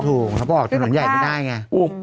ถูกถ้าบอกถนนใหญ่ไม่ได้ไง